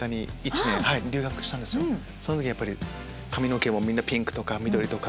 その時に髪の毛もみんなピンクとか緑とか。